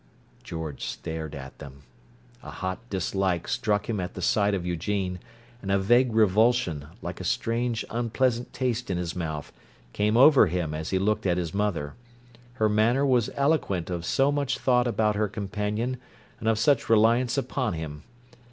George stared at them. A hot dislike struck him at the sight of Eugene; and a vague revulsion, like a strange, unpleasant taste in his mouth, came over him as he looked at his mother: her manner was eloquent of so much thought about her companion and of such reliance upon him.